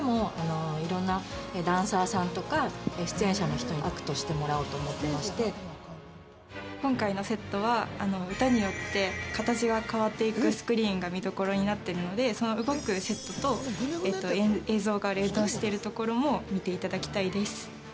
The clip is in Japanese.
ここがメインステージになっていて今回のセットは歌によって形が変わっていくスクリーンが見どころになってるのでその動くセットと映像が連動しているところも見ていただきたいです。